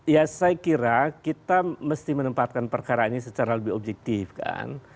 ya saya kira kita mesti menempatkan perkara ini secara lebih objektif kan